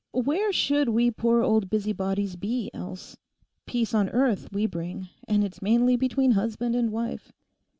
Where should we poor old busybodies be else. Peace on earth we bring, and it's mainly between husband and wife.